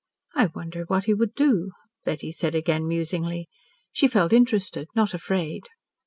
"I wonder what he would do?" Betty said again musingly. She felt interested, not afraid.